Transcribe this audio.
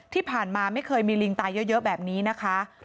ที่ผ่านมาไม่เคยมีลิงตายเยอะแบบนี้นะคะ